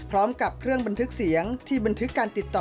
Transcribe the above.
พร้อมกับเครื่องบันทึกเสียงที่บันทึกการติดต่อ